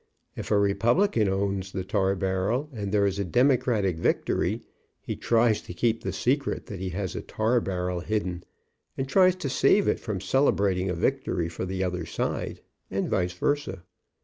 If a Republican owns the tar barrel, and there is a Democratic victory, he BURNING A TAR BARREL tries to keep the secret that he has a tar barrel hid den, and tries to save it from celebrating a victory for the other side, and vice versa.